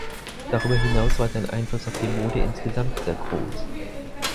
Darüber hinaus war sein Einfluss auf die Mode insgesamt sehr groß.